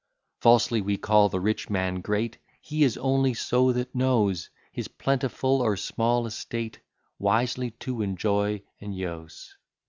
Falsely we call the rich man great, He is only so that knows His plentiful or small estate Wisely to enjoy and use.